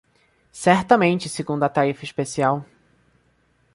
Certamente, segundo a tarifa especial.